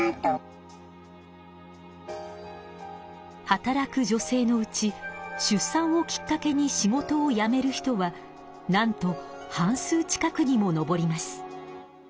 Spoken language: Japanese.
働く女性のうち出産をきっかけに仕事を辞める人はなんと半数近くにものぼります。